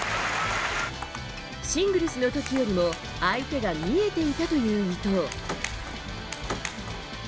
シングルスの時よりも相手が見えていたという伊藤。